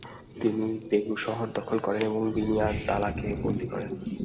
তিনি পেগু শহর দখল করেন এবং বিনিয়া দালাকে বন্দী করেন।